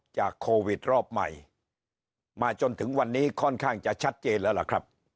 โควิดรอบใหม่มาจนถึงวันนี้ค่อนข้างจะชัดเจนแล้วล่ะครับ